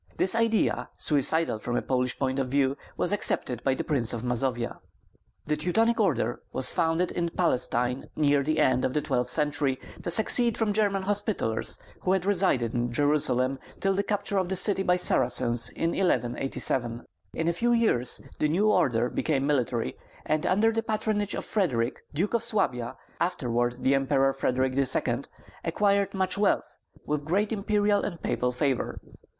This idea, suicidal from a Polish point of view, was accepted by the Prince of Mazovia. The Teutonic Order was founded in Palestine near the end of the twelfth century to succeed some German hospitallers who had resided in Jerusalem till the capture of the city by Saracens in 1187. In a few years the new order became military, and under the patronage of Frederick, Duke of Suabia, afterward the Emperor Frederick II., acquired much wealth, with great imperial and papal favor.